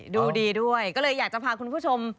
ดูดีด้วยก็เลยอยากจะพาคุณผู้ชม